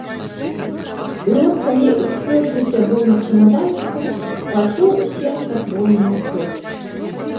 І от калі ўспёршыся быў над чамаданчыкам, пачуў у сенцах вольныя крокі.